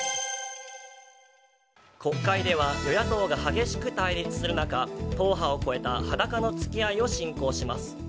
国会では与野党が激しく対立する中党派を超えた裸の付き合いを振興します。